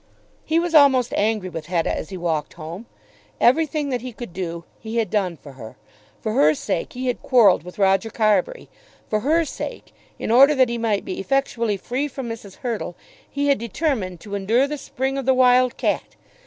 He was almost angry with Hetta as he walked home. Everything that he could do he had done for her. For her sake he had quarrelled with Roger Carbury. For her sake, in order that he might be effectually free from Mrs. Hurtle, he had determined to endure the spring of the wild cat.